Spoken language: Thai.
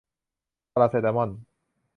พาราเซตามอล